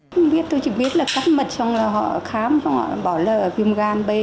tôi chỉ biết là các mật trong họ khám họ bảo là viêm gan b